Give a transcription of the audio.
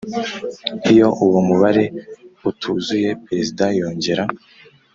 Iyo uwo mubare utuzuye Perezida yongera